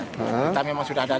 kita memang sudah ada